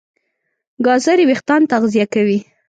ګازرې وېښتيان تغذیه کوي.